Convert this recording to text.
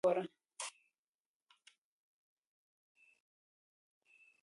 اوس دلته پرېږده او د مومن خان احوال وګوره.